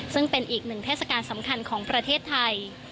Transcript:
ซึ่งเป็นอีกหนึ่งเทศกาลสำคัญของประเทศไทย